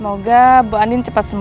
masuk rumah manufacturer